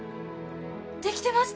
できてました？